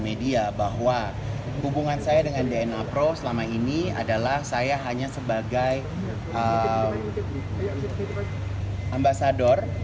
media bahwa hubungan saya dengan dna pro selama ini adalah saya hanya sebagai ambasador